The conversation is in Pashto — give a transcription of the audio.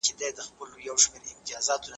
طبیعت د انسان لپاره لوی نعمت دی.